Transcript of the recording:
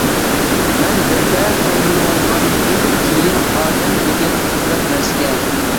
مەن بىردەم ئويلىنىۋالغاندىن كېيىن: — ئادەم دېگەن قىزىق نەرسىكەن.